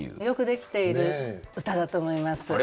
よくできている歌だと思います。